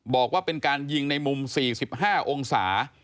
บอกว่าเป็นการยิงในมุม๔๕องศา